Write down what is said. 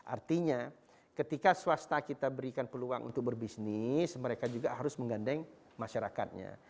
artinya ketika swasta kita berikan peluang untuk berbisnis mereka juga harus menggandeng masyarakatnya